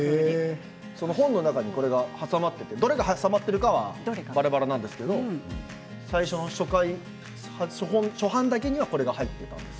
本の中にこれが挟まっていて、どれが挟まっているかはばらばらなんですけど初版だけにはこれが入っています。